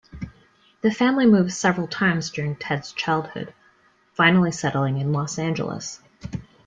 The family moved several times during Ted's childhood, finally settling in Los Angeles.